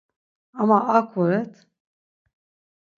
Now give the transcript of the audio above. Ama ak voret.